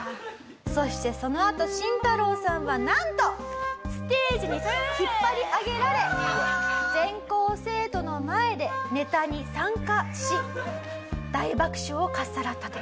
そしてそのあとシンタロウさんはなんとステージに引っ張り上げられ全校生徒の前でネタに参加し大爆笑をかっさらったと。